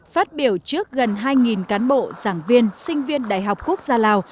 phát biểu trước gần hai cán bộ giảng viên sinh viên đại học quốc gia lào